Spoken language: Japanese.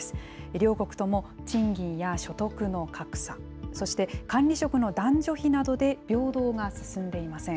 両国とも賃金や所得の格差、そして管理職の男女比などで平等が進